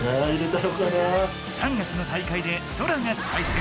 ３月の大会でソラが対戦。